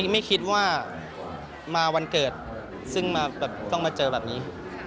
ไม่คิดว่ามาวันเกิดซึ่งต้องมาเจอแบบนี้